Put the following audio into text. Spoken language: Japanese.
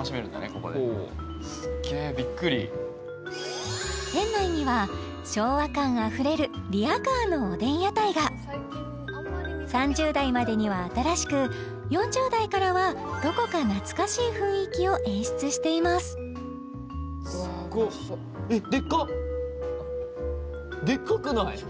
ここですっげえびっくり店内には昭和感あふれるリヤカーのおでん屋台が３０代までには新しく４０代からはどこか懐かしい雰囲気を演出していますでかくない？